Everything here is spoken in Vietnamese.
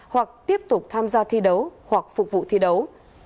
hoặc tiếp tục tham gia thi đấu hoặc phục vụ thi đấu